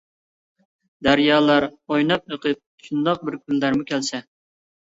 دەريالار ئويناپ ئېقىپ، شۇنداق بىر كۈنلەرمۇ كەلسە.